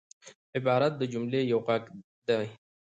عبارت د جملې یو غړی دئ.